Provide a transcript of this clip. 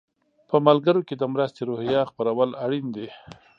په ملګرو کې د مرستې روحیه خپرول اړین دي.